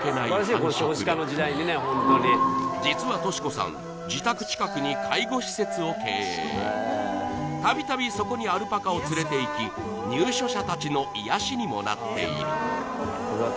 実は登志子さん自宅近くに度々そこにアルパカを連れていき入所者たちの癒やしにもなっている